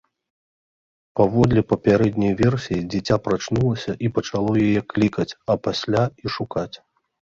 Паводле папярэдняй версіі, дзіця прачнулася і пачало яе клікаць, а пасля і шукаць.